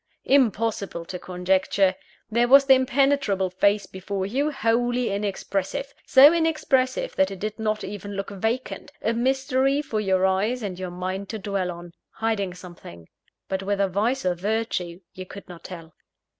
Impossible to conjecture! There was the impenetrable face before you, wholly inexpressive so inexpressive that it did not even look vacant a mystery for your eyes and your mind to dwell on hiding something; but whether vice or virtue you could not tell.